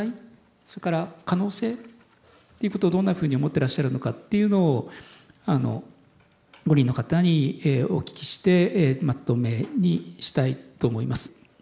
それから可能性っていうことをどんなふうに思ってらっしゃるのかっていうのを５人の方にお聞きしてまとめにしたいと思います。